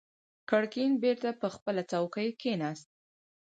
ګرګين بېرته پر خپله څوکۍ کېناست.